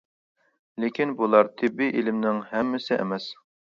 لېكىن بۇلار تېببىي ئىلىمنىڭ ھەممىسى ئەمەس.